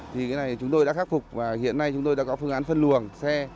thì cái này chúng tôi đã khắc phục và hiện nay chúng tôi đã có phương án phân luồng xe